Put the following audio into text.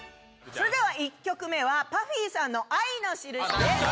それでは１曲目はＰＵＦＦＹさんの「愛のしるし」です